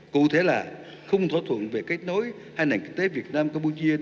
cụ thể là khung thỏa thuận về kết nối hai nền kinh tế việt nam campuchia